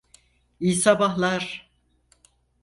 İyi sabahlar.